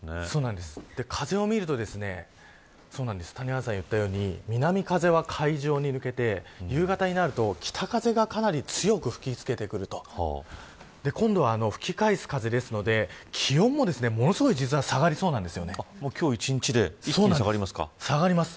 風を見ると谷原さんが言ったように南風は海上に抜けて夕方になると北風がかなり強く吹き付けてくると今度は吹き返す風ですので気温も、ものすごい今日１日で、一気に下がります。